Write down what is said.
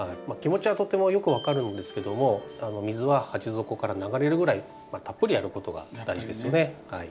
気持ちはとてもよく分かるんですけども水は鉢底から流れるぐらいたっぷりやることが大事ですよね。